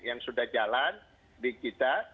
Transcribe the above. yang sudah jalan di kita